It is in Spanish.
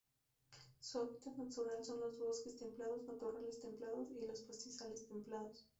Su hábitat natural son: son los bosques templados, matorrales templados, y los pastizales templados.